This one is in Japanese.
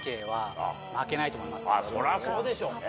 そりゃそうでしょうね。